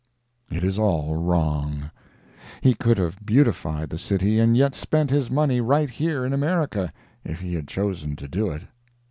It is all wrong. He could have beautified the city and yet spent his money right here in America, if he had chosen to do it.